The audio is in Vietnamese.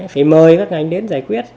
phải mời các ngành đến giải quyết